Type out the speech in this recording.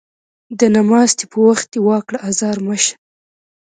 د نماستي په وخت يې وا کړه ازار مه شه